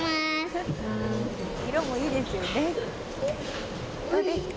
色もいいですよね。